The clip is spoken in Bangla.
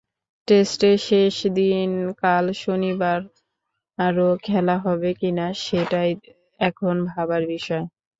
টেস্টের শেষ দিন কাল শনিবারও খেলা হবে কিনা সেটাই এখন ভাবার বিষয়।